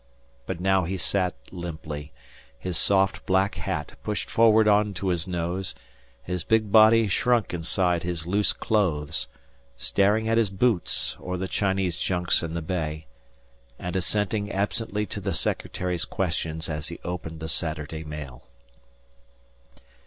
But now he sat limply, his soft black hat pushed forward on to his nose, his big body shrunk inside his loose clothes, staring at his boots or the Chinese junks in the bay, and assenting absently to the secretary's questions as he opened the Saturday mail.